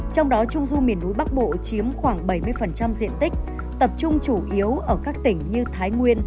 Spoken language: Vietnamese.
trong đó trung du miền núi bắc bộ chiếm khoảng bảy mươi diện tích tập trung chủ yếu ở các tỉnh như thái nguyên